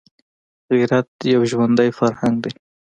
غیرت یو ژوندی فرهنګ دی